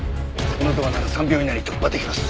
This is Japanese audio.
このドアなら３秒以内に突破できます。